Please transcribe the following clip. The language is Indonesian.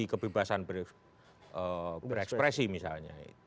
kebebasan berekspresi misalnya